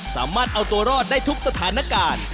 สามารถเอาตัวรอดได้ทุกสถานการณ์